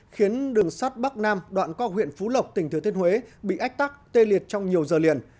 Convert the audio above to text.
khiến đường sắt bắc nam đoạn qua huyện phú lộc tỉnh thừa thiên huế bị ách tắc tê liệt trong nhiều giờ liền